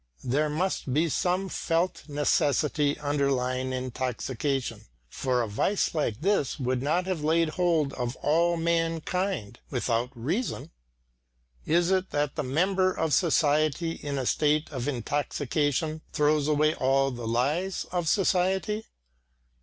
There must be some felt necessity underlying intoxication, for a vice like this would not have laid hold of all mankind without reason. Is it that the member of society in a state of intoxication throws away all the lies of society?